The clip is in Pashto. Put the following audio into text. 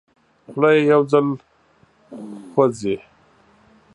خوله یو ځل خوځي.